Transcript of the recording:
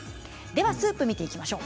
スープを見ていきましょう。